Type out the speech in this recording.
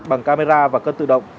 bằng camera và cân tự động